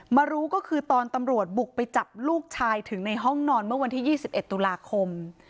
รู้ก็คือตอนตำรวจบุกไปจับลูกชายถึงในห้องนอนเมื่อวันที่๒๑ตุลาคม